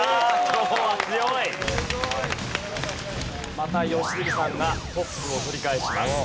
また良純さんがトップを取り返します。